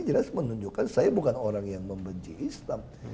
jelas menunjukkan saya bukan orang yang membenci islam